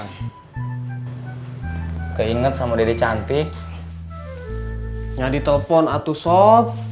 kang keinget sama dede cantik yang ditelepon atuh sob